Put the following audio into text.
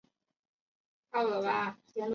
维多利亚中的战斗单位被分为陆军和海军。